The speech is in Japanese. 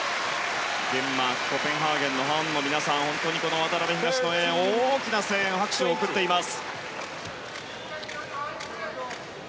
デンマーク・コペンハーゲンのファンの皆さんが本当に渡辺、東野へ大きな声援・拍手を送っています。